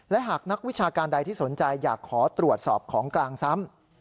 และหากนักวิชาการใดที่สนใจอยากขอตรวจสอบของกลางซ้ำ